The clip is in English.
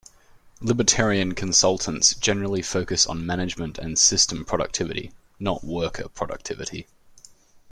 Libertarian consultants generally focus on management and system productivity, not worker productivity.